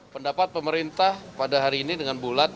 pendapat pemerintah pada hari ini dengan bulat